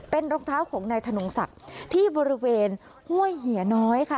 เป็นรองเท้าของนายธนงศักดิ์ที่บริเวณห้วยเหียน้อยค่ะ